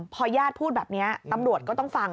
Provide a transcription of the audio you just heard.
พอญาติพูดแบบนี้ตำรวจก็ต้องฟัง